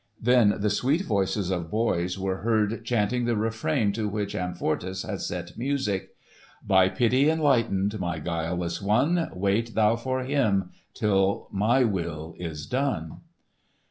Then the sweet voices of boys were heard chanting the refrain to which Amfortas had set music: "By pity enlightened, My guileless one,— Wait thou for him Till my will is done!"